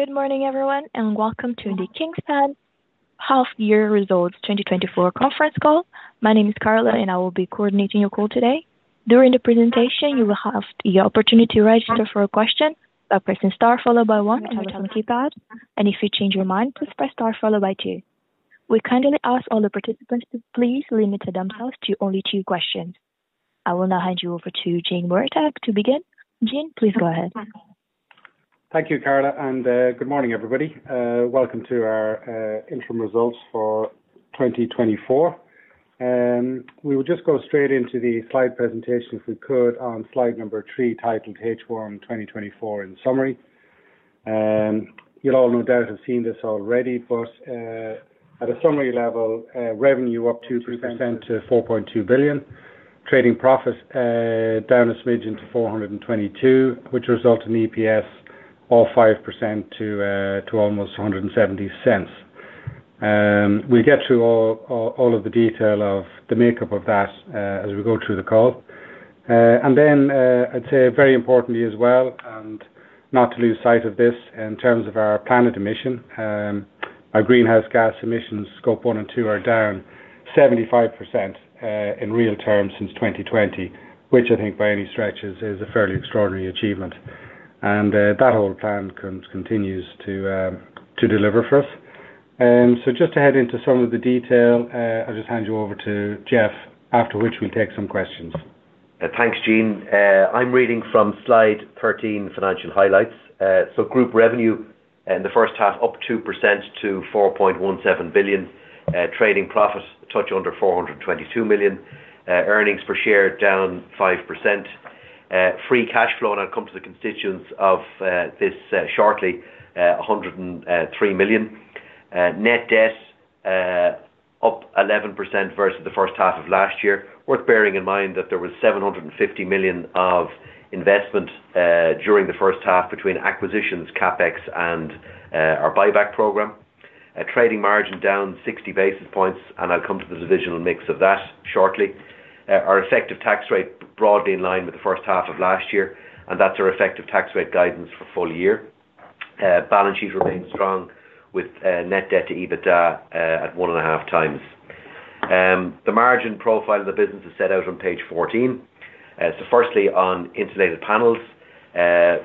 Good morning, everyone, and welcome to the Kingspan Half Year Results 2024 Conference Call. My name is Carla, and I will be coordinating your call today. During the presentation, you will have the opportunity to register for a question by pressing star followed by one on your telephone keypad, and if you change your mind, please press star followed by two. We kindly ask all the participants to please limit themselves to only two questions. I will now hand you over to Gene Murtagh to begin. Gene, please go ahead. Thank you, Carla, and good morning, everybody. Welcome to our interim results for 2024. We will just go straight into the slide presentation, if we could, on Slide 3, titled H1 2024, in summary. You'll all no doubt have seen this already, but at a summary level, revenue up 2% to 4.2 billion. Trading profits down a smidge to 422 million, which results in EPS down 5% to almost 1.70. We'll get to all of the detail of the makeup of that as we go through the call. I'd say very importantly as well, and not to lose sight of this in terms of our planet emission, our greenhouse gas emissions, Scope 1 and 2, are down 75%, in real terms since 2020, which I think by any stretch is a fairly extraordinary achievement. That whole plan continues to deliver for us. Just to head into some of the detail, I'll just hand you over to Geoff, after which we'll take some questions. Thanks, Gene. I'm reading from Slide 13, financial highlights. So group revenue in the first half, up 2% to 4.17 billion. Trading profit, just under 422 million. Earnings per share, down 5%. Free cash flow, and I'll come to the constituents of this shortly, 103 million. Net debt, up 11% versus the first half of last year. Worth bearing in mind that there was 750 million of investment during the first half, between acquisitions, CapEx, and our buyback program. Trading margin down 60 basis points, and I'll come to the divisional mix of that shortly. Our effective tax rate, broadly in line with the first half of last year, and that's our effective tax rate guidance for full-year. Balance sheet remains strong with net debt to EBITDA at 1.5 times. The margin profile of the business is set out on Page 14. Firstly, on Insulated Panels,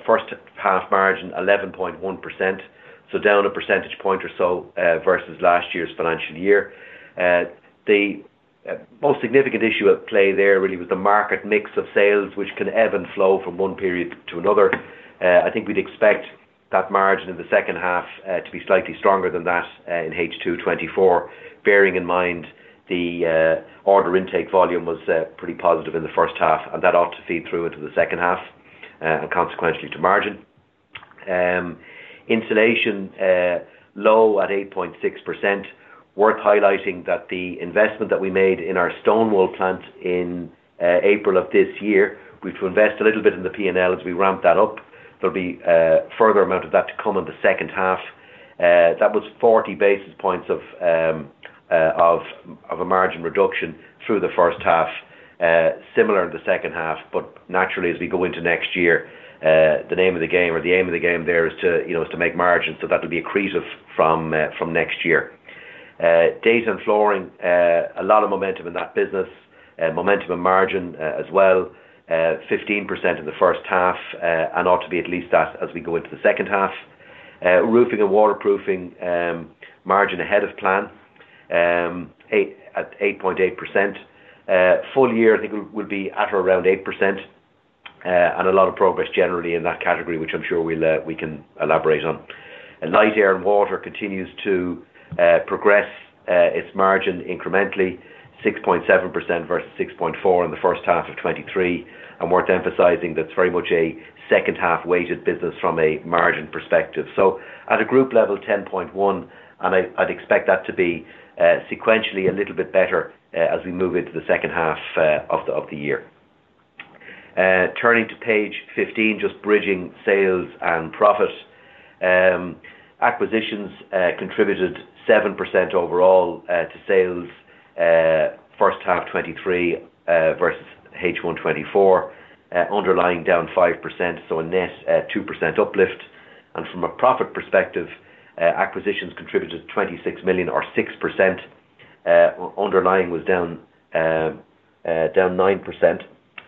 first half margin 11.1%, so down a percentage point or so versus last year's financial year. The most significant issue at play there really was the market mix of sales, which can ebb and flow from one period to another. I think we'd expect that margin in the second half to be slightly stronger than that in H2 2024. Bearing in mind, the order intake volume was pretty positive in the first half, and that ought to feed through into the second half and consequently to margin. Insulation low at 8.6%. Worth highlighting that the investment that we made in our stone wool plant in April of this year, we've to invest a little bit in the P&L as we ramp that up. There'll be a further amount of that to come in the second half. That was 40 basis points of a margin reduction through the first half, similar in the second half, but naturally, as we go into next year, the name of the game or the aim of the game there is to, you know, is to make margins, so that'll be accretive from next year. Data & Flooring, a lot of momentum in that business, momentum and margin as well, 15% in the first half, and ought to be at least that as we go into the second half. Roofing + Waterproofing, margin ahead of plan, at 8.8%. Full-year, I think will, will be at around 8%, and a lot of progress generally in that category, which I'm sure we'll, we can elaborate on. And Light, Air & Water continues to, progress, its margin incrementally, 6.7% versus 6.4% in the first half of 2023. And worth emphasizing, that's very much a second half weighted business from a margin perspective. So at a group level, 10.1%, and I'd expect that to be, sequentially a little bit better, as we move into the second half, of the year. Turning to Page 15, just bridging sales and profit. Acquisitions contributed 7% overall to sales first half 2023 versus H1 2024. Underlying down 5%, so a net 2% uplift. And from a profit perspective, acquisitions contributed 26 million or 6%. Underlying was down 9%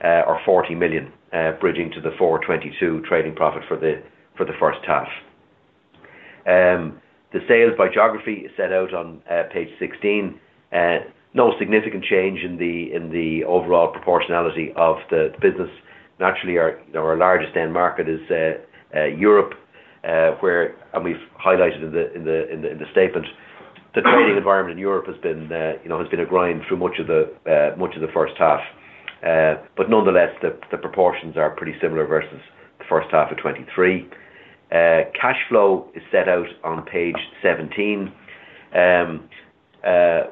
or 40 million, bridging to the 422 million trading profit for the first half. The sales by geography is set out on Page 16. No significant change in the overall proportionality of the business. Naturally, our largest end market is Europe, where and we've highlighted in the statement. The trading environment in Europe has been, you know, a grind through much of the first half. But nonetheless, the proportions are pretty similar versus the first half of 2023. Cash flow is set out on Page 17.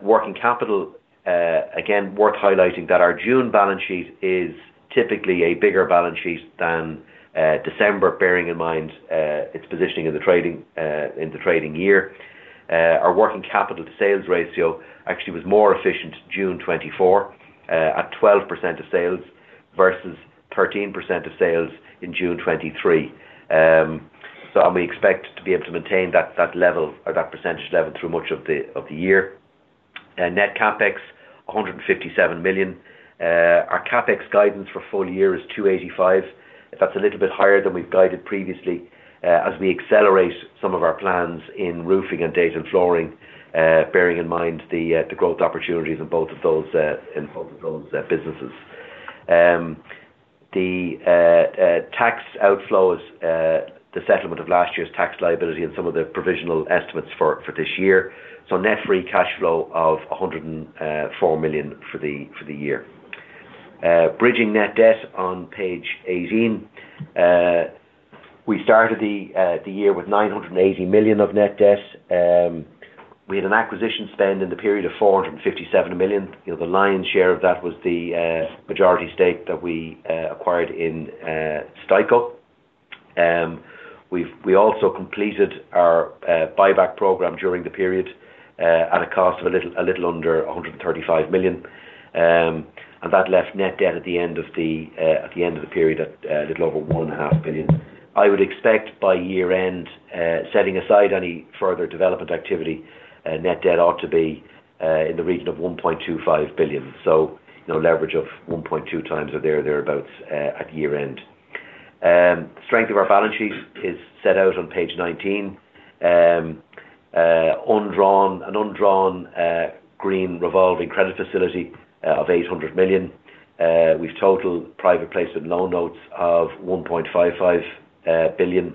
Working capital, again, worth highlighting that our June balance sheet is typically a bigger balance sheet than December, bearing in mind its positioning in the trading year. Our working capital to sales ratio actually was more efficient June 2024 at 12% of sales versus 13% of sales in June 2023. So and we expect to be able to maintain that level or that percentage level through much of the year. And net CapEx, 157 million. Our CapEx guidance for full-year is 285 million. That's a little bit higher than we've guided previously, as we accelerate some of our plans in roofing and data and flooring, bearing in mind the growth opportunities in both of those businesses. The tax outflows, the settlement of last year's tax liability and some of the provisional estimates for this year. So net free cash flow of 104 million for the year. Bridging net debt on Page 18. We started the year with 980 million of net debt. We had an acquisition spend in the period of 457 million. You know, the lion's share of that was the majority stake that we acquired in Steico. We also completed our buyback program during the period at a cost of a little under 135 million. And that left net debt at the end of the period at a little over 1.5 billion. I would expect by year end, setting aside any further development activity, net debt ought to be in the region of 1.25 billion. So, you know, leverage of 1.2 times or thereabouts at year-end. Strength of our balance sheet is set out on Page 19. An undrawn green revolving credit facility of 800 million. We have total private placement loan notes of 1.55 billion.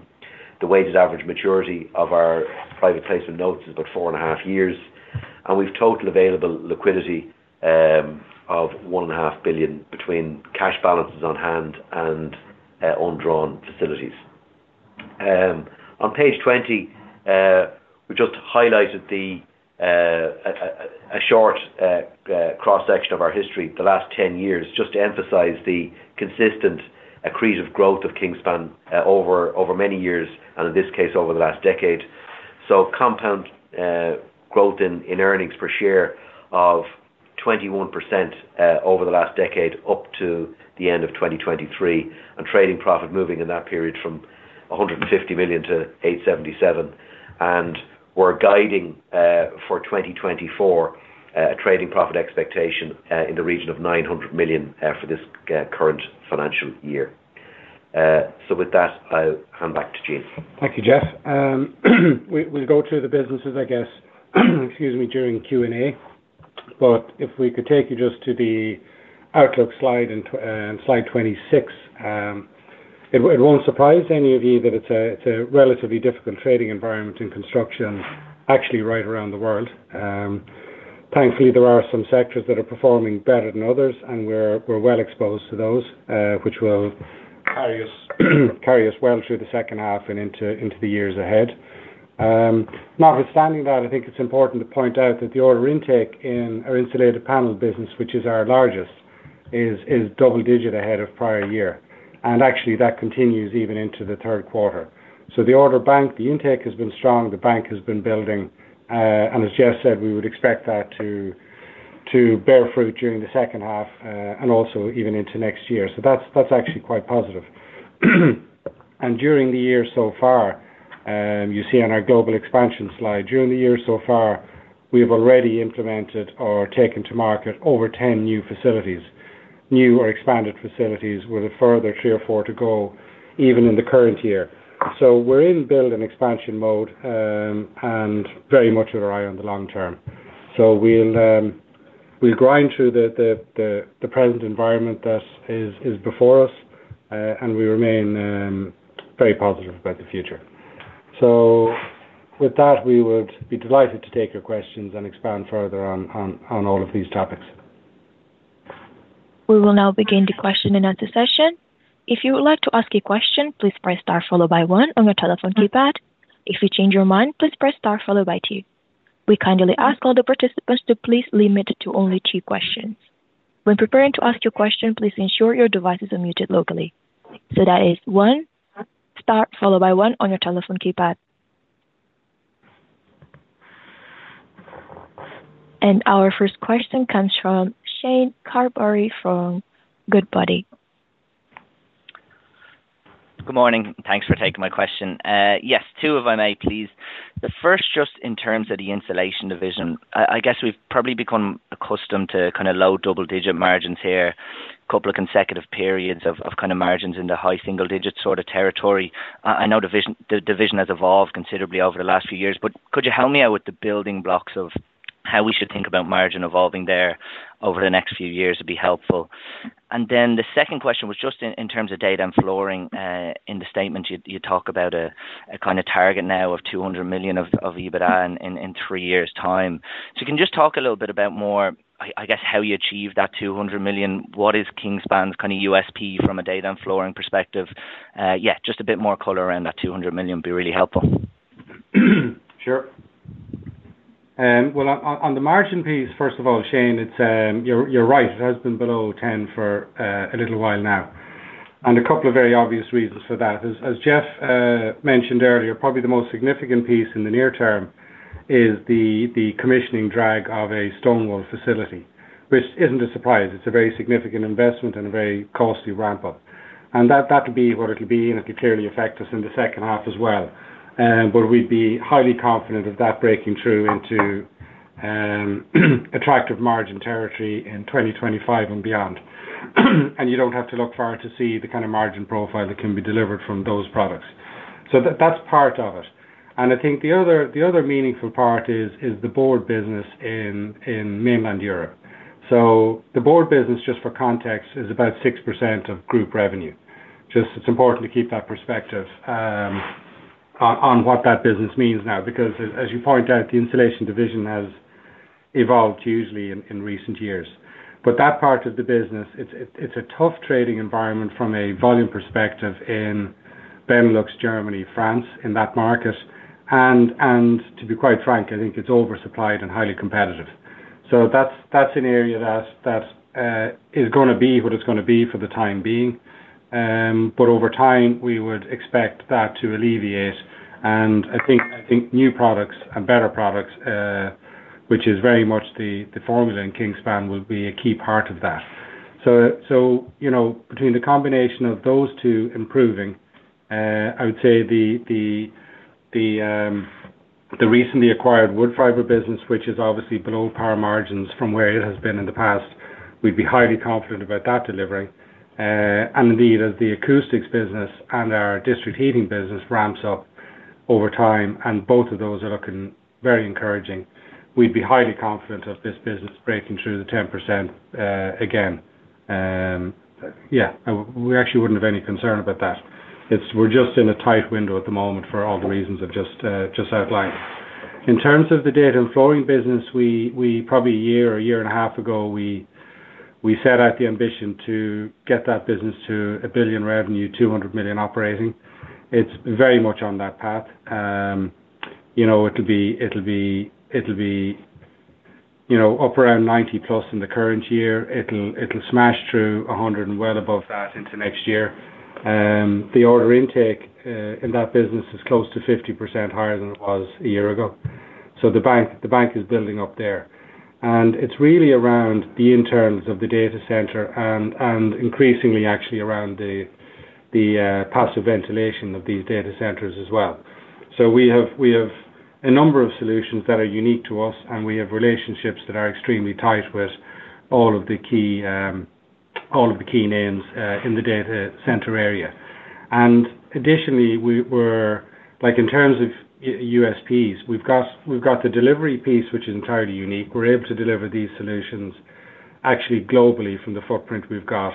The weighted average maturity of our private placement notes is about 4.5 years, and we've total available liquidity of 1.5 billion between cash balances on hand and undrawn facilities. On Page 20, we just highlighted a short cross-section of our history, the last 10 years, just to emphasize the consistent accretive growth of Kingspan over many years, and in this case, over the last decade. So compound growth in earnings per share of 21% over the last decade, up to the end of 2023, and trading profit moving in that period from 150 million to 877 million. And we're guiding for 2024 a trading profit expectation in the region of 900 million for this current financial year. With that, I'll hand back to Gene. Thank you, Geoff. We, we'll go through the businesses, I guess, excuse me, during Q&A. But if we could take you just to the outlook slide and Slide 26. It, it won't surprise any of you that it's a, it's a relatively difficult trading environment in construction, actually right around the world. Thankfully, there are some sectors that are performing better than others, and we're, we're well exposed to those, which will carry us, carry us well through the second half and into, into the years ahead. Notwithstanding that, I think it's important to point out that the order intake in our insulated panel business, which is our largest, is, is double digit ahead of prior year. And actually, that continues even into the third quarter. So the order bank, the intake has been strong, the bank has been building, and as Geoff said, we would expect that to bear fruit during the second half, and also even into next year. So that's actually quite positive. And during the year so far, you see on our global expansion slide, during the year so far, we've already implemented or taken to market over 10 new facilities. New or expanded facilities, with a further 3 or 4 to go, even in the current year. So we're in build and expansion mode, and very much with our eye on the long term. So we'll grind through the present environment that is before us, and we remain very positive about the future. So with that, we would be delighted to take your questions and expand further on all of these topics. We will now begin the question and answer session. If you would like to ask a question, please press star followed by one on your telephone keypad. If you change your mind, please press star followed by two. We kindly ask all the participants to please limit it to only two questions. When preparing to ask your question, please ensure your devices are muted locally. That is one, star followed by one on your telephone keypad. Our first question comes from Shane Carberry from Goodbody. Good morning, thanks for taking my question. Yes, two if I may please. The first, just in terms of the insulation division, I guess we've probably become accustomed to kind of low double-digit margins here, couple of consecutive periods of kind of margins in the high single digits sort of territory. I know the division has evolved considerably over the last few years, but could you help me out with the building blocks of how we should think about margin evolving there over the next few years would be helpful. And then the second question was just in terms of data and flooring, in the statement you talk about a kind of target now of 200 million of EBITDA in three years' time. So you can just talk a little bit about more, I guess, how you achieve that 200 million? What is Kingspan's kind of USP from a data and flooring perspective? Yeah, just a bit more color around that 200 million would be really helpful. Sure. Well, on the margin piece, first of all, Shane, it's, you're right, it has been below 10 for a little while now—and a couple of very obvious reasons for that is, as Geoff mentioned earlier, probably the most significant piece in the near term is the commissioning drag of a stone wool facility, which isn't a surprise. It's a very significant investment and a very costly ramp-up. And that could be what it'll be, and it could clearly affect us in the second half as well. But we'd be highly confident of that breaking through into attractive margin territory in 2025 and beyond. And you don't have to look far to see the kind of margin profile that can be delivered from those products. So that's part of it. I think the other meaningful part is the board business in mainland Europe. So the board business, just for context, is about 6% of group revenue. Just it's important to keep that perspective on what that business means now, because as you point out, the insulation division has evolved hugely in recent years. But that part of the business, it's a tough trading environment from a volume perspective in Benelux, Germany, France, in that market. And to be quite frank, I think it's oversupplied and highly competitive. So that's an area that is gonna be what it's gonna be for the time being. But over time, we would expect that to alleviate. And I think, I think new products and better products, which is very much the formula in Kingspan, will be a key part of that. So, you know, between the combination of those two improving, I would say the recently acquired wood fiber business, which has obviously below par margins from where it has been in the past, we'd be highly confident about that delivery. And indeed, as the acoustics business and our district heating business ramps up over time, and both of those are looking very encouraging, we'd be highly confident of this business breaking through the 10%, again. Yeah, we actually wouldn't have any concern about that. It's, we're just in a tight window at the moment for all the reasons I've just outlined. In terms of the data and flooring business, we probably a year or a year and a half ago, we set out the ambition to get that business to 1 billion revenue, 200 million operating. It's very much on that path. You know, it'll be, you know, up around 90+ in the current year. It'll smash through 100 and well above that into next year. The order intake in that business is close to 50% higher than it was a year ago. So the backlog is building up there. And it's really around the internals of the data center and, and increasingly actually around the passive ventilation of these data centers as well. So we have, we have a number of solutions that are unique to us, and we have relationships that are extremely tight with all of the key names in the data center area. And additionally, like, in terms of USPs, we've got, we've got the delivery piece, which is entirely unique. We're able to deliver these solutions actually globally from the footprint we've got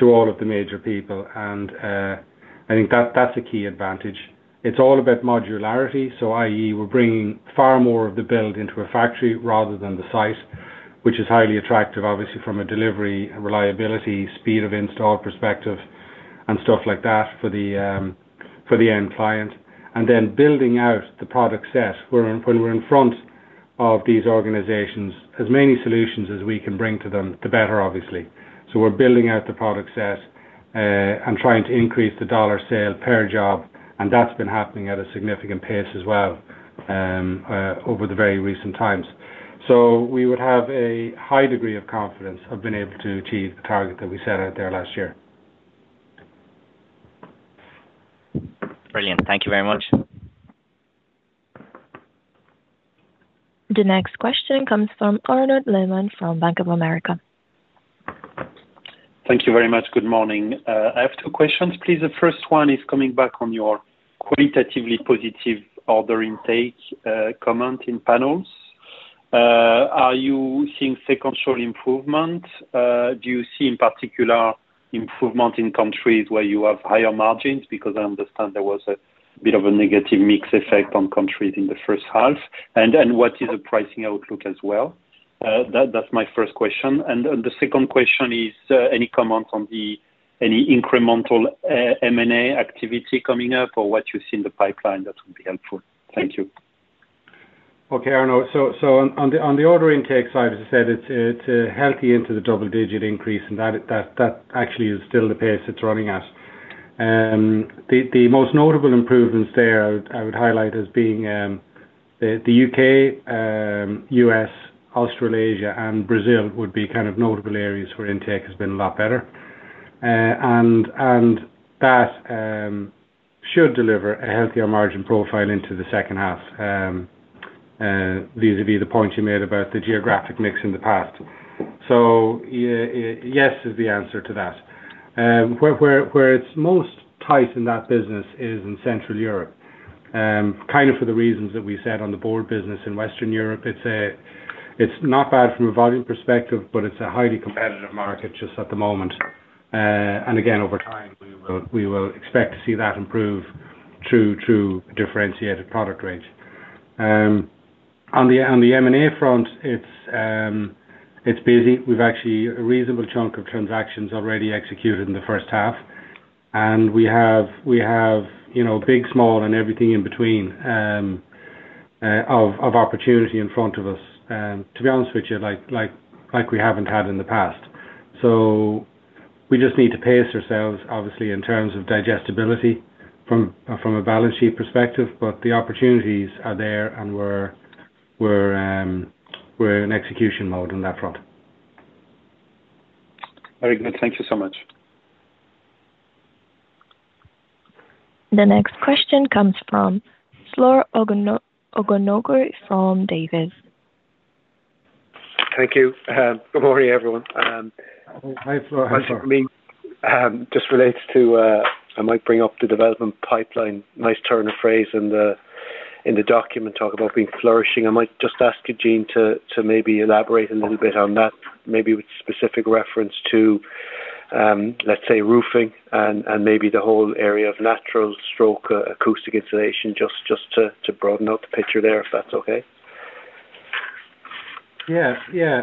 to all of the major people, and I think that that's a key advantage. It's all about modularity, so i.e., we're bringing far more of the build into a factory rather than the site, which is highly attractive, obviously, from a delivery, reliability, speed of install perspective and stuff like that for the end client. And then building out the product set, we're in front of these organizations, as many solutions as we can bring to them, the better, obviously. So we're building out the product set, and trying to increase the dollar sale per job, and that's been happening at a significant pace as well, over the very recent times. So we would have a high degree of confidence of being able to achieve the target that we set out there last year. Brilliant. Thank you very much. The next question comes from Arnaud Lehmann from Bank of America. Thank you very much. Good morning. I have two questions, please. The first one is coming back on your qualitatively positive order intake comment in panels. Are you seeing sequential improvement? Do you see, in particular, improvement in countries where you have higher margins? Because I understand there was a bit of a negative mix effect on countries in the first half. And the second question is, any comments on any incremental M&A activity coming up or what you see in the pipeline, that would be helpful. Thank you. Okay, Arnaud. So on the order intake side, as I said, it's a healthy into the double-digit increase, and that actually is still the pace it's running at. The most notable improvements there, I would highlight as being the U.K., U.S., Australasia, and Brazil would be kind of notable areas where intake has been a lot better. And that should deliver a healthier margin profile into the second half, vis-a-vis the point you made about the geographic mix in the past. So yes, is the answer to that. Where it's most tight in that business is in Central Europe. Kind of for the reasons that we said on the board business in Western Europe, it's not bad from a volume perspective, but it's a highly competitive market just at the moment. And again, over time, we will expect to see that improve through differentiated product range. On the M&A front, it's busy. We've actually a reasonable chunk of transactions already executed in the first half, and we have you know big, small, and everything in between of opportunity in front of us, and to be honest with you, like we haven't had in the past. So we just need to pace ourselves, obviously, in terms of digestibility from a balance sheet perspective, but the opportunities are there, and we're in execution mode on that front. Very good. Thank you so much. The next question comes from Florence O'Donoghue from Davy. Thank you. Good morning, everyone. Hi, Florence. Just relates to, I might bring up the development pipeline. Nice turn of phrase in the document, talk about being flourishing. I might just ask Eugene to maybe elaborate a little bit on that, maybe with specific reference to, let's say, roofing and maybe the whole area of natural stroke acoustic insulation, just to broaden out the picture there, if that's okay. Yes. Yeah.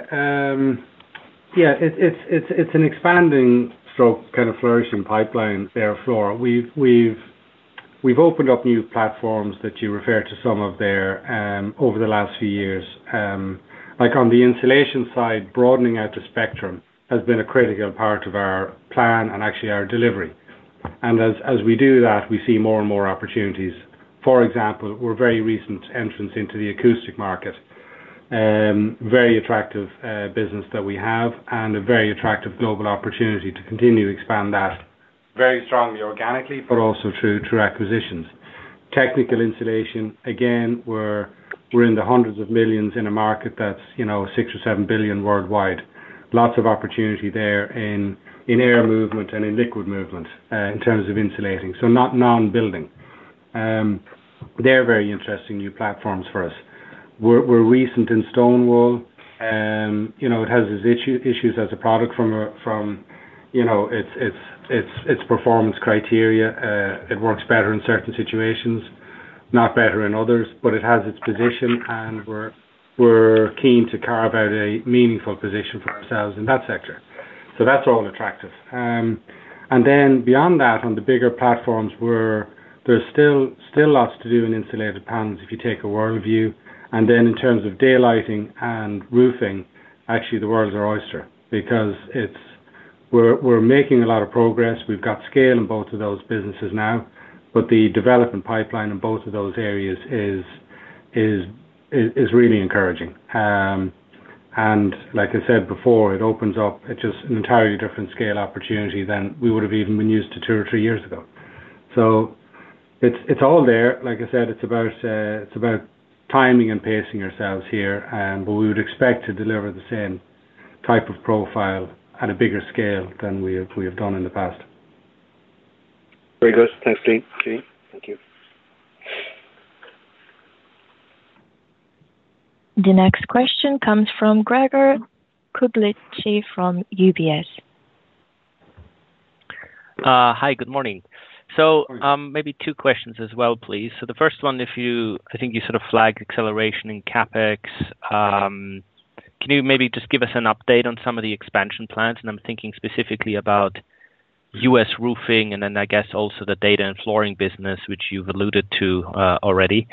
Yeah, it's an expanding stroke, kind of, flourishing pipeline there, Flora. We've opened up new platforms that you refer to some of there, over the last few years. Like on the insulation side, broadening out the spectrum has been a critical part of our plan and actually our delivery. And as we do that, we see more and more opportunities. For example, we're very recent entrants into the acoustic market. Very attractive business that we have, and a very attractive global opportunity to continue to expand that very strongly, organically, but also through acquisitions. Technical insulation, again, we're in the 100 millions in a market that's, you know, 6 billion or 7 billion worldwide. Lots of opportunity there in air movement and in liquid movement, in terms of insulating, so not non-building. They're very interesting new platforms for us. We're recent in stone wool, you know, it has its issues as a product from a, you know, it's performance criteria. It works better in certain situations, not better in others, but it has its position, and we're keen to carve out a meaningful position for ourselves in that sector. So that's all attractive. And then beyond that, on the bigger platforms, there's still lots to do in insulated panels if you take a world view. And then in terms of daylighting and roofing, actually, the world is our oyster because we're making a lot of progress. We've got scale in both of those businesses now, but the development pipeline in both of those areas is really encouraging. And like I said before, it opens up just an entirely different scale opportunity than we would have even been used to two or three years ago. So it's all there. Like I said, it's about timing and pacing ourselves here, but we would expect to deliver the same type of profile at a bigger scale than we have, we have done in the past. Very good. Thanks, Gene. Gene, thank you. The next question comes from Gregor Kuglitsch from UBS. Hi, good morning. So, maybe two questions as well, please. So the first one, I think you sort of flagged acceleration in CapEx. Can you maybe just give us an update on some of the expansion plans? And I'm thinking specifically about U.S. roofing, and then I guess also the data and flooring business, which you've alluded to already.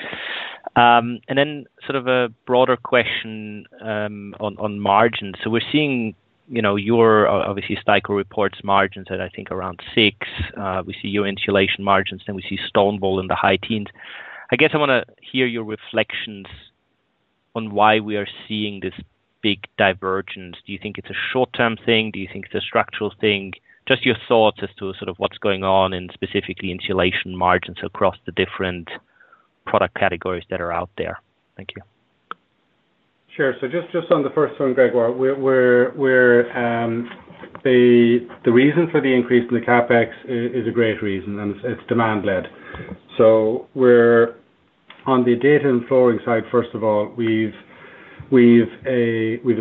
And then sort of a broader question on margins. So we're seeing, you know, you're obviously Steico reports margins at, I think, around six. We see your insulation margins, then we see stone wool in the high teens. I guess I wanna hear your reflections on why we are seeing this big divergence. Do you think it's a short-term thing? Do you think it's a structural thing? Just your thoughts as to sort of what's going on in specifically insulation margins across the different product categories that are out there. Thank you. Sure. So just on the first one, Gregor, the reason for the increase in the CapEx is a great reason, and it's demand led. So we're on the data and flooring side, first of all, we've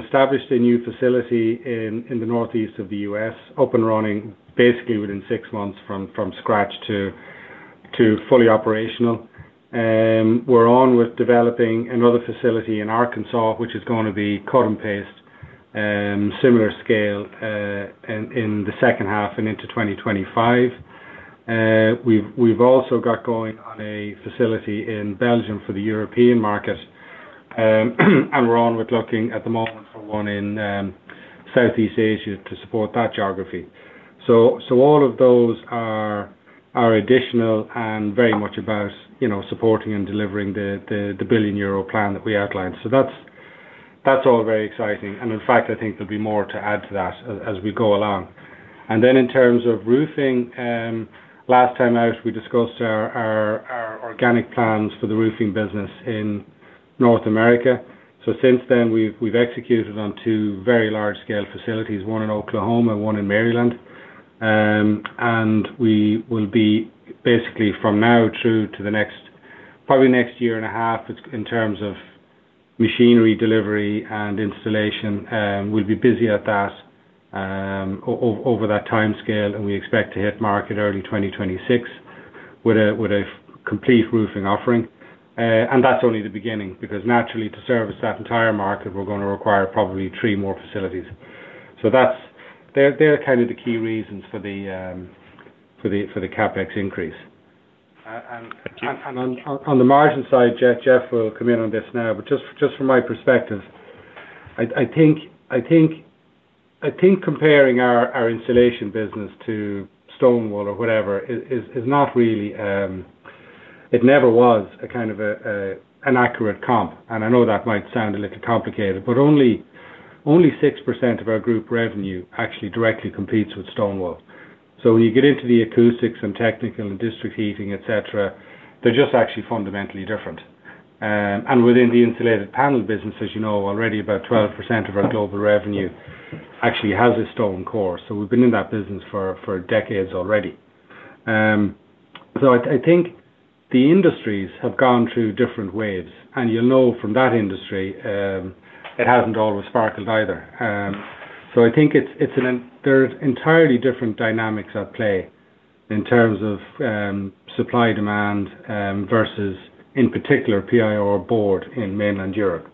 established a new facility in the Northeast of the U.S., up and running basically within six months from scratch to fully operational. We're on with developing another facility in Arkansas, which is gonna be cut and paste, similar scale, in the second half and into 2025. We've also got going on a facility in Belgium for the European market, and we're on with looking at the moment for one in Southeast Asia to support that geography. So all of those are additional and very much about, you know, supporting and delivering the 1 billion euro plan that we outlined. So that's all very exciting. And in fact, I think there'll be more to add to that as we go along. And then in terms of roofing, last time out, we discussed our organic plans for the roofing business in North America. So since then, we've executed on two very large-scale facilities, one in Oklahoma and one in Maryland. And we will be basically from now through to the next, probably next year and a half, it's in terms of machinery, delivery, and installation, we'll be busy at that, over that timescale, and we expect to hit market early 2026 with a complete roofing offering. And that's only the beginning, because naturally, to service that entire market, we're gonna require probably three more facilities. So that's they are kind of the key reasons for the CapEx increase. And on the margin side, Geoff will come in on this now, but just from my perspective, I think comparing our installation business to stone wool or whatever is not really. It never was a kind of an accurate comp, and I know that might sound a little complicated, but only 6% of our group revenue actually directly competes with stone wool. So when you get into the acoustics and technical and district heating, et cetera, they're just actually fundamentally different. Within the insulated panel business, as you know, already about 12% of our global revenue actually has a stone core. So we've been in that business for decades already. So I think the industries have gone through different waves, and you'll know from that industry, it hasn't always sparkled either. So I think there's entirely different dynamics at play in terms of supply, demand, versus in particular PIR board in mainland Europe.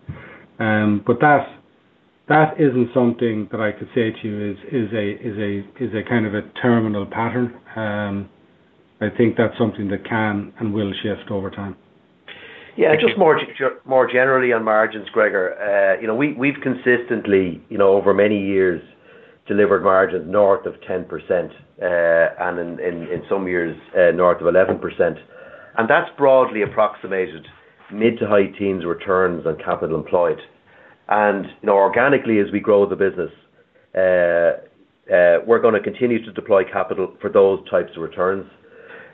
But that isn't something that I could say to you is a kind of a terminal pattern. I think that's something that can and will shift over time. Yeah, just more generally on margins, Gregor, you know, we, we've consistently, you know, over many years, delivered margins north of 10%, and in some years, north of 11%. And that's broadly approximated mid- to high-teens returns on capital employed. And, you know, organically, as we grow the business, we're gonna continue to deploy capital for those types of returns.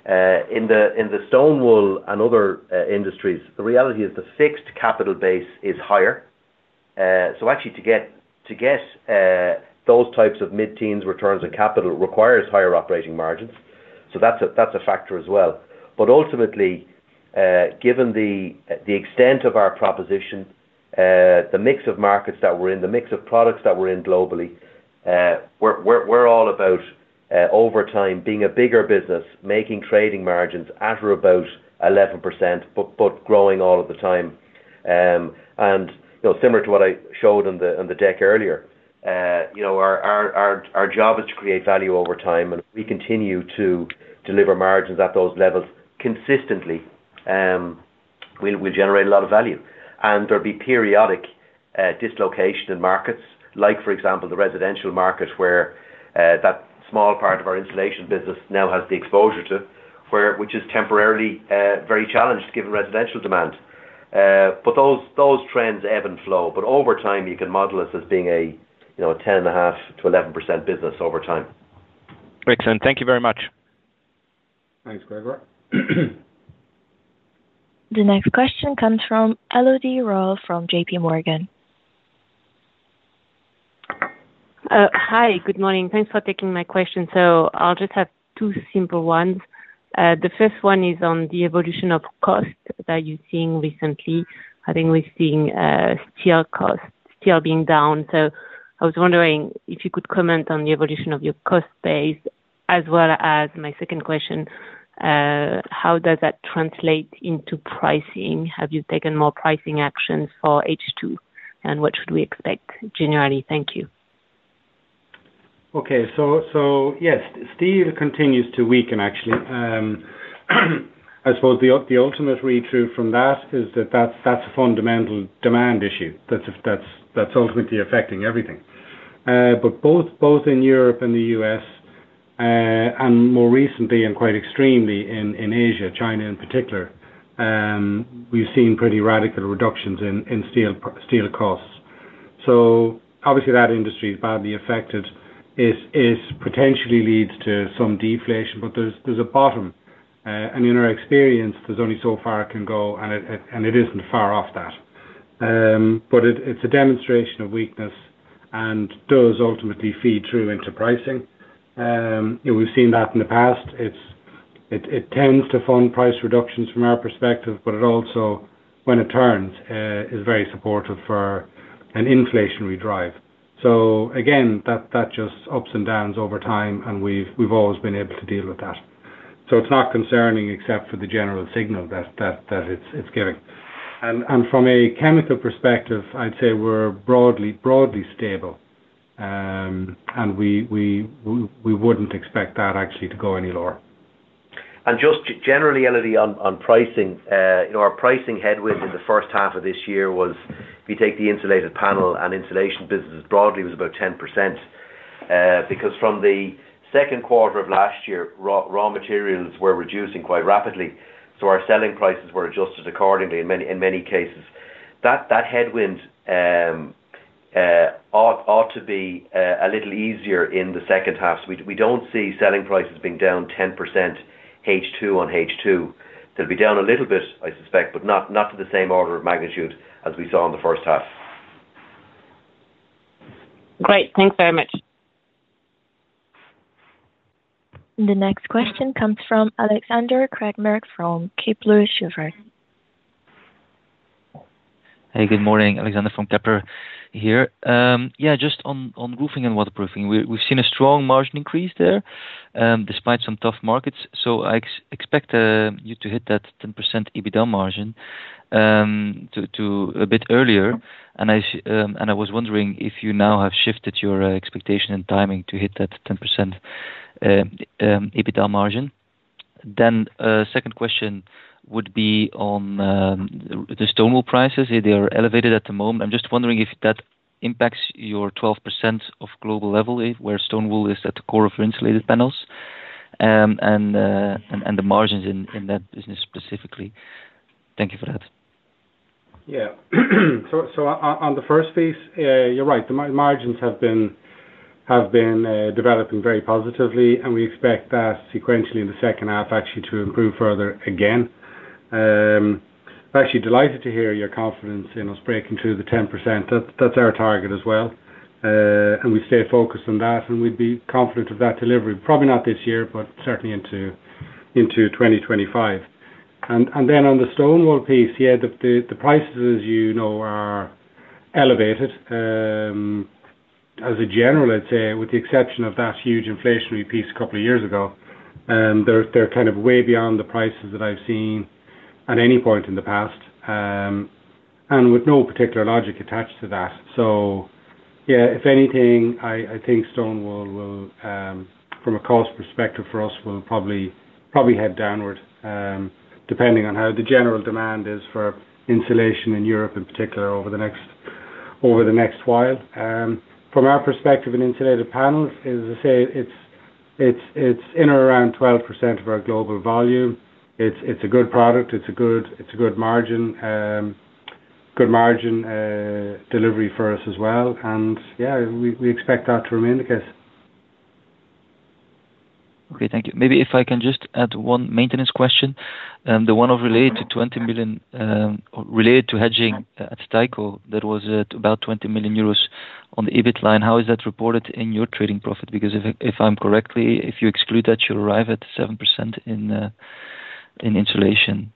In the stone wool and other industries, the reality is the fixed capital base is higher. So actually to get those types of mid-teens returns on capital requires higher operating margins. So that's a factor as well. But ultimately, given the extent of our proposition, the mix of markets that we're in, the mix of products that we're in globally, we're all about, over time, being a bigger business, making trading margins at or about 11%, but growing all of the time. And, you know, similar to what I showed on the deck earlier, you know, our job is to create value over time, and we continue to deliver margins at those levels consistently, we'll generate a lot of value. And there'll be periodic dislocation in markets, like for example, the residential market, where that small part of our insulation business now has the exposure to, which is temporarily very challenged, given residential demand. But those trends ebb and flow, but over time, you can model us as being a, you know, 10.5% to 11% business over time. Excellent. Thank you very much. Thanks, Gregor. The next question comes from Elodie Rall from J.P. Morgan. Hi, good morning. Thanks for taking my question. So I'll just have two simple ones. The first one is on the evolution of cost that you're seeing recently. I think we're seeing, steel costs still being down. So I was wondering if you could comment on the evolution of your cost base, as well as my second question, how does that translate into pricing? Have you taken more pricing actions for H2, and what should we expect generally? Thank you. Okay. So yes, steel continues to weaken, actually. I suppose the ultimate read through from that is that that's a fundamental demand issue. That's ultimately affecting everything. But both in Europe and the US, and more recently and quite extremely in Asia, China in particular, we've seen pretty radical reductions in steel costs. So obviously that industry is badly affected. It potentially leads to some deflation, but there's a bottom, and in our experience, there's only so far it can go, and it isn't far off that. But it's a demonstration of weakness and does ultimately feed through into pricing. And we've seen that in the past. It tends to fund price reductions from our perspective, but it also, when it turns, is very supportive for an inflationary drive. So again, that just ups and downs over time, and we've always been able to deal with that. So it's not concerning, except for the general signal that it's giving. And from a chemical perspective, I'd say we're broadly stable. And we wouldn't expect that actually to go any lower. Just generally, Elodie, on pricing, you know, our pricing headwind in the first half of this year was, if you take the insulated panel and insulation business broadly, was about 10%. Because from the second quarter of last year, raw materials were reducing quite rapidly, so our selling prices were adjusted accordingly in many, in many cases. That headwind ought to be a little easier in the second half. So we don't see selling prices being down 10% H2 on H2. They'll be down a little bit, I suspect, but not to the same order of magnitude as we saw in the first half. Great. Thanks very much. The next question comes from Alexandre Craeymeersch from Kepler Cheuvreux. Hey, good morning. Alexander from Kepler here. Yeah, just on roofing and waterproofing, we've seen a strong margin increase there, despite some tough markets. So I expect you to hit that 10% EBITDA margin to a bit earlier, and I was wondering if you now have shifted your expectation and timing to hit that 10% EBITDA margin. Then, second question would be on the stone wool prices. They are elevated at the moment. I'm just wondering if that impacts your 12% of global level, if where stone wool is at the core of your insulated panels, and the margins in that business specifically. Thank you for that. Yeah. So, on the first piece, you're right. The margins have been developing very positively, and we expect that sequentially in the second half, actually to improve further again. Actually delighted to hear your confidence in us breaking through the 10%. That's our target as well. And we stay focused on that, and we'd be confident of that delivery. Probably not this year, but certainly into 2025. And then on the stone wool piece, yeah, the prices, as you know, are elevated. In general, I'd say, with the exception of that huge inflationary piece a couple of years ago, they're kind of way beyond the prices that I've seen at any point in the past, and with no particular logic attached to that. So, yeah, if anything, I think stone wool will, from a cost perspective for us, will probably head downward, depending on how the general demand is for insulation in Europe, in particular, over the next while. From our perspective in insulated panels, as I say, it's in around 12% of our global volume. It's a good product, it's a good margin, good delivery for us as well. And yeah, we expect that to remain the case. Okay. Thank you. Maybe if I can just add one maintenance question, the one related to 20 million, related to hedging at Steico, that was at about 20 million euros on the EBIT line. How is that reported in your trading profit? Because if, if I'm correct, if you exclude that, you'll arrive at 7% in insulation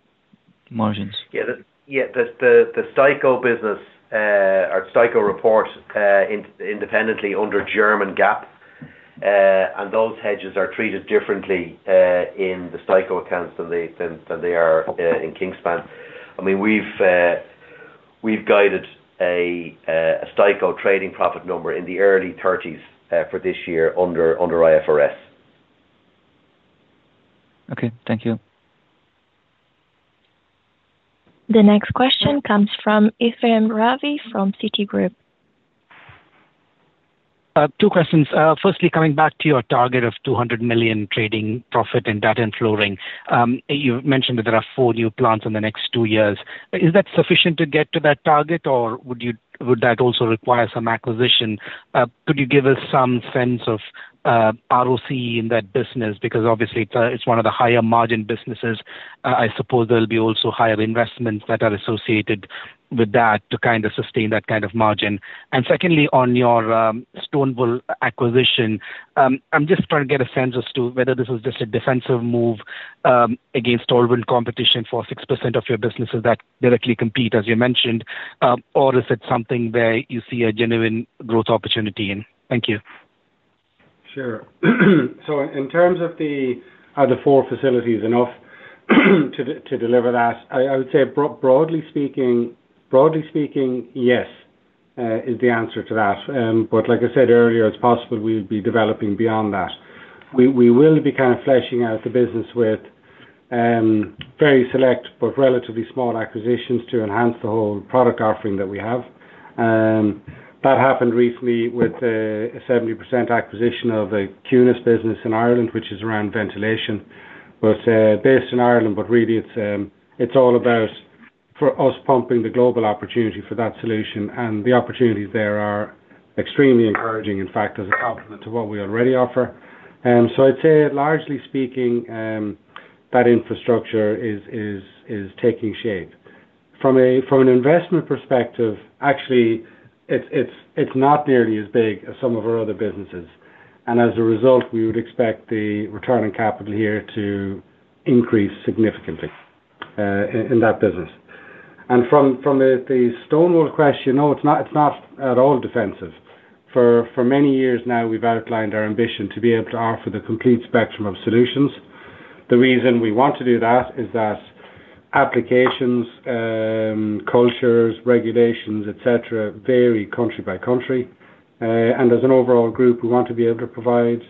margins. Yeah. The Steico business or Steico report independently under German GAAP, and those hedges are treated differently in the Steico accounts than they are in Kingspan. I mean, we've guided a Steico trading profit number in the early 30s for this year under IFRS. Okay, thank you. The next question comes from Ephrem Ravi, from Citigroup. Two questions. Firstly, coming back to your target of 200 million trading profit in that and flooring. You mentioned that there are 4 new plants in the next 2 years. Is that sufficient to get to that target, or would you--would that also require some acquisition? Could you give us some sense of ROCE in that business? Because obviously, it's one of the higher margin businesses. I suppose there'll be also higher investments that are associated with that to kind of sustain that kind of margin. And secondly, on your stone wool acquisition, I'm just trying to get a sense as to whether this is just a defensive move against all world competition for 6% of your businesses that directly compete, as you mentioned, or is it something where you see a genuine growth opportunity in? Thank you. Sure. So in terms of the, are the four facilities enough to deliver that? I would say broadly speaking, yes, is the answer to that. But like I said earlier, it's possible we'll be developing beyond that. We will be kind of fleshing out the business with very select, but relatively small acquisitions to enhance the whole product offering that we have. That happened recently with a 70% acquisition of the Q-nis business in Ireland, which is around ventilation, but based in Ireland. But really, it's all about for us pumping the global opportunity for that solution, and the opportunities there are extremely encouraging, in fact, as a complement to what we already offer. So I'd say largely speaking, that infrastructure is taking shape. From an investment perspective, actually, it's not nearly as big as some of our other businesses, and as a result, we would expect the return on capital here to increase significantly in that business. And from the stone wool question, no, it's not at all defensive. For many years now, we've outlined our ambition to be able to offer the complete spectrum of solutions. The reason we want to do that is that applications, cultures, regulations, et cetera, vary country by country. And as an overall group, we want to be able to provide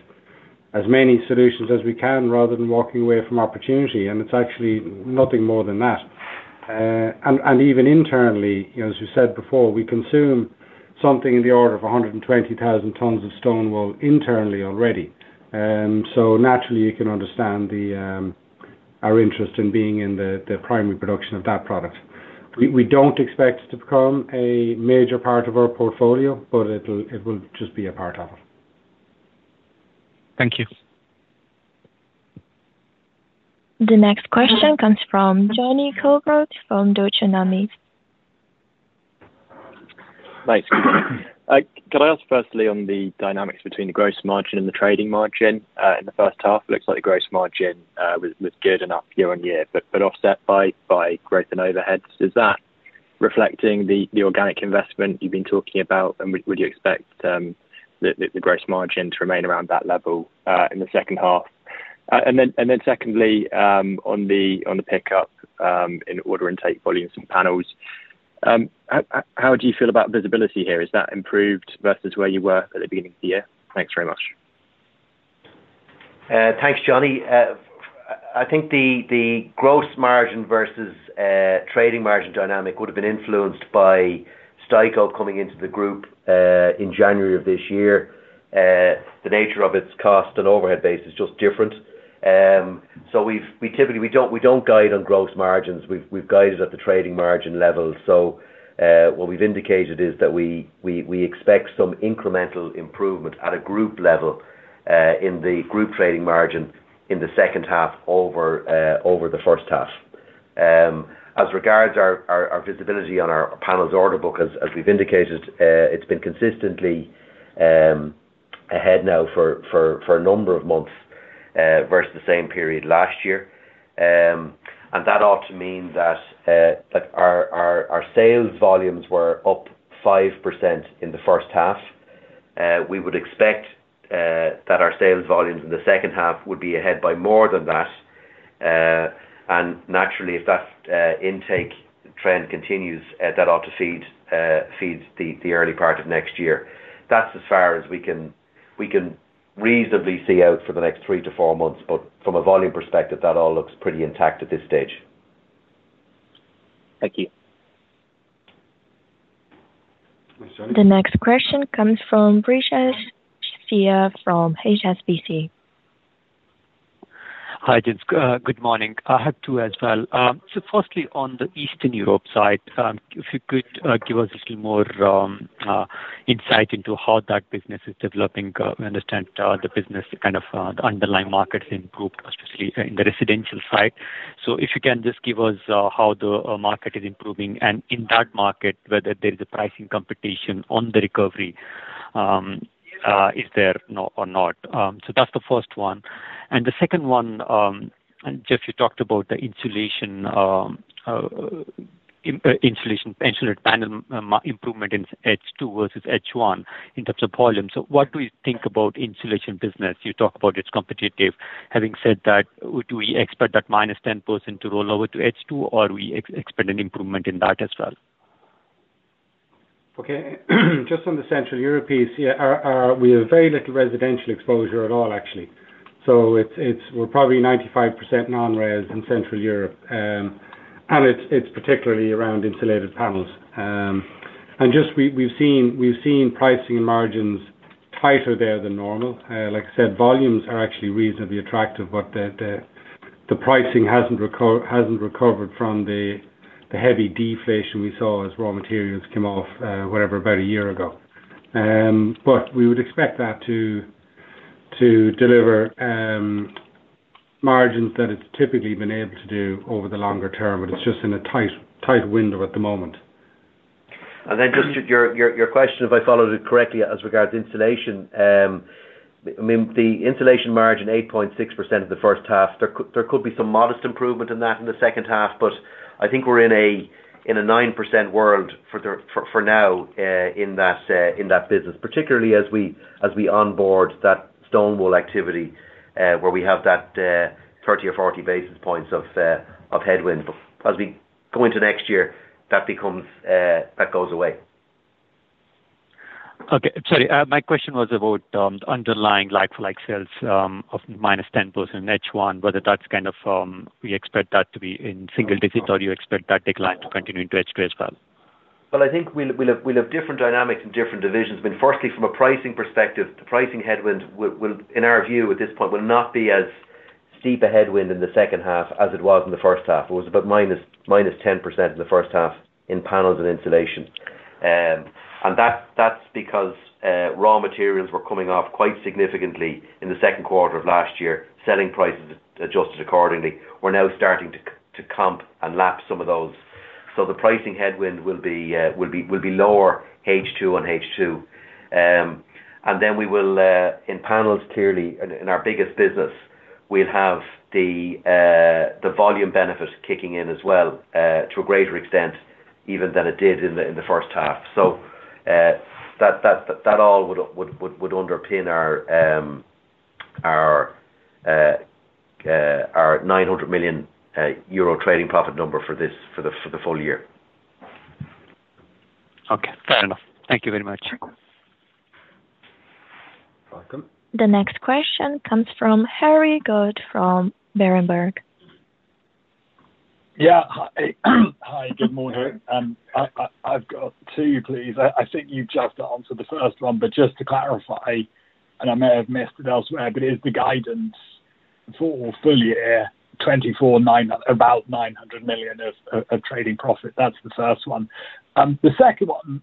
as many solutions as we can, rather than walking away from opportunity, and it's actually nothing more than that. And even internally, you know, as you said before, we consume something in the order of 120,000 tons of stone wool internally already. So naturally, you can understand our interest in being in the primary production of that product. We don't expect it to become a major part of our portfolio, but it'll, it will just be a part of it. Thank you. The next question comes from Jonny Coubrough, from Deutsche Numis. Thanks. Could I ask firstly, on the dynamics between the gross margin and the trading margin in the first half? It looks like the gross margin was good enough year-on-year, but offset by growth and overheads. Is that reflecting the organic investment you've been talking about, and would you expect the gross margin to remain around that level in the second half? And then secondly, on the pickup in order intake volumes and panels, how do you feel about visibility here? Is that improved versus where you were at the beginning of the year? Thanks very much. Thanks, Johnny. I think the gross margin versus trading margin dynamic would have been influenced by Steico coming into the group in January of this year. The nature of its cost and overhead base is just different. So we've typically, we don't guide on gross margins. We've guided at the trading margin level. So what we've indicated is that we expect some incremental improvement at a group level in the group trading margin in the second half over the first half. As regards our visibility on our panels order book, as we've indicated, it's been consistently ahead now for a number of months versus the same period last year. That ought to mean that our sales volumes were up 5% in the first half. We would expect that our sales volumes in the second half would be ahead by more than that. And naturally, if that intake trend continues, that ought to feed the early part of next year. That's as far as we can reasonably see out for the next three to four months, but from a volume perspective, that all looks pretty intact at this stage. Thank you. The next question comes from Brijesh Shah from HSBC. Hi, gents. Good morning. I have two as well. So firstly, on the Eastern Europe side, if you could give us a little more insight into how that business is developing. We understand the business, kind of, the underlying markets improved, especially in the residential side. So if you can just give us how the market is improving, and in that market, whether there is a pricing competition on the recovery, is there or not? So that's the first one. And the second one, and Geoff, you talked about the insulation, insulated panel, improvement in H2 versus H1 in terms of volume. So what do you think about insulation business? You talk about it's competitive. Having said that, do we expect that -10% to roll over to H2, or we expect an improvement in that as well? Okay. Just on the Central Europe piece, yeah, our we have very little residential exposure at all, actually. So it's we're probably 95% non-res in Central Europe. And it's particularly around insulated panels. And just we've seen pricing margins tighter there than normal. Like I said, volumes are actually reasonably attractive, but the pricing hasn't recovered from the heavy deflation we saw as raw materials came off, whatever, about a year ago. But we would expect that to deliver margins that it's typically been able to do over the longer term, but it's just in a tight, tight window at the moment. And then just to your question, if I followed it correctly, as regards insulation, I mean, the insulation margin, 8.6% in the first half, there could be some modest improvement in that in the second half, but I think we're in a 9% world for now in that business, particularly as we onboard that stone wool activity, where we have that 30 or 40 basis points of headwind. But as we go into next year, that goes away. Okay. Sorry, my question was about underlying like-for-like sales of -10% in H1, whether that's kind of we expect that to be in single digits, or you expect that decline to continue into H2 as well? Well, I think we'll have different dynamics in different divisions. But firstly, from a pricing perspective, the pricing headwind will, in our view, at this point, not be as steep a headwind in the second half as it was in the first half. It was about minus 10% in the first half in panels and insulation. And that's because raw materials were coming off quite significantly in the second quarter of last year. Selling prices adjusted accordingly. We're now starting to comp and lap some of those. So the pricing headwind will be lower H2 on H2. And then we will in panels clearly in our biggest business we'll have the volume benefit kicking in as well to a greater extent even than it did in the first half. So that all would underpin our 900 million euro trading profit number for the full-year. Okay. Fair enough. Thank you very much. Welcome. The next question comes from Harry Goad, from Berenberg. Yeah. Hi. Hi, good morning. I've got two, please. I think you've just answered the first one, but just to clarify, and I may have missed it elsewhere, but is the guidance for full-year 2024, about 900 million of trading profit? That's the first one. The second one,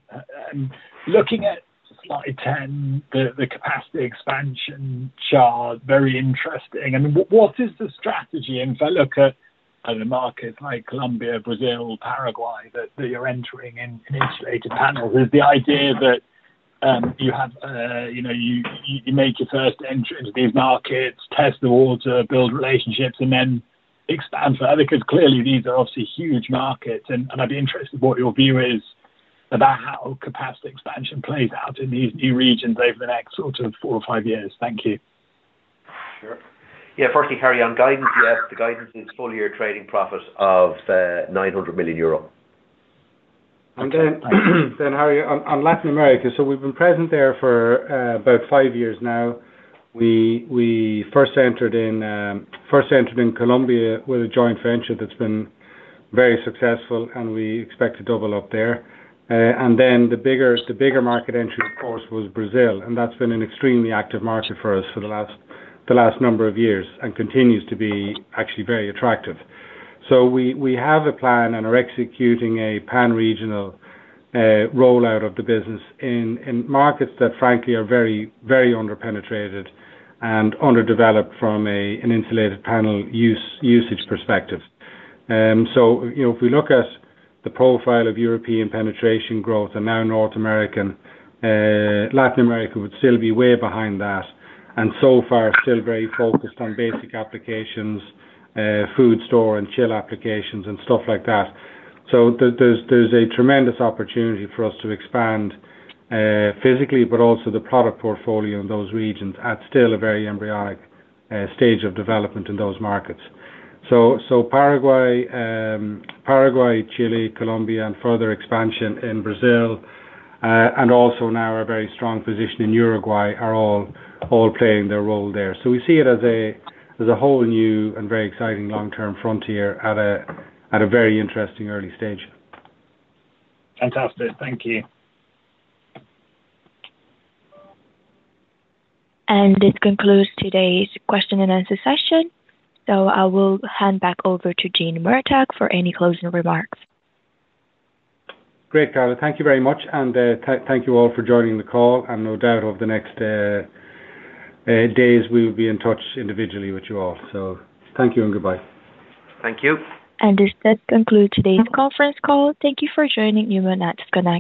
looking at Slide 10, the capacity expansion chart, very interesting. What is the strategy? If I look at the markets like Colombia, Brazil, Paraguay, that you're entering in insulated panels, is the idea that—you have, you know, you make your first entry into these markets, test the water, build relationships, and then expand further, because clearly these are obviously huge markets, and I'd be interested what your view is about how capacity expansion plays out in these new regions over the next sort of four or five years. Thank you. Sure. Yeah, firstly, Harry, on guidance, yes, the guidance is full-year trading profit of 900 million euro. Then Harry, on Latin America, so we've been present there for about five years now. We first entered in Colombia with a joint venture that's been very successful, and we expect to double up there. And then the bigger market entry, of course, was Brazil, and that's been an extremely active market for us for the last number of years and continues to be actually very attractive. So we have a plan and are executing a pan-regional rollout of the business in markets that frankly are very, very under-penetrated and underdeveloped from an insulated panel usage perspective. So, you know, if we look at the profile of European penetration growth and now North American, Latin America would still be way behind that, and so far, still very focused on basic applications, food store and chill applications and stuff like that. So there's a tremendous opportunity for us to expand, physically, but also the product portfolio in those regions at still a very embryonic stage of development in those markets. So Paraguay, Paraguay, Chile, Colombia, and further expansion in Brazil, and also now our very strong position in Uruguay are all playing their role there. So we see it as a whole new and very exciting long-term frontier at a very interesting early stage. Fantastic. Thank you. This concludes today's question and answer session. I will hand back over to Gene Murtagh for any closing remarks. Great, Carla. Thank you very much, and thank you all for joining the call, and no doubt over the next days, we will be in touch individually with you all. So thank you and goodbye. Thank you. This does conclude today's conference call. Thank you for joining. You may now disconnect.